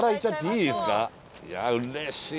いやうれしい。